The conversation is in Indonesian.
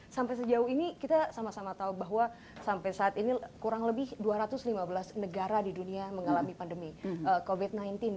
sampai sejauh ini kita sama sama tahu bahwa sampai saat ini kurang lebih dua ratus lima belas negara di dunia mengalami pandemi covid sembilan belas